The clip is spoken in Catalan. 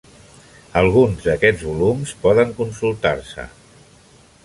Alguns d'aquests volums poden consultar-se.